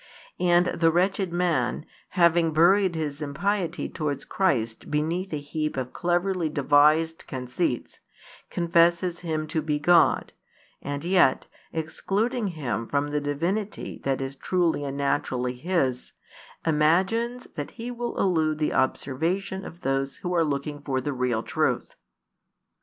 And the wretched man, having buried his impiety towards Christ beneath a heap of cleverly devised conceits, confesses Him to be God, and yet, excluding Him from the Divinity that is truly and naturally His, imagines that he will elude the observation of those who are looking for the real truth.